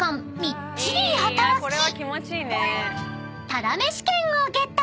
［ただめし券をゲット］